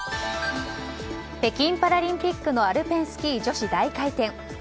北京パラリンピックのアルペンスキー女子大回転。